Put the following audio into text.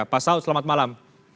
pak saud selamat malam